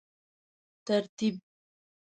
ترتیب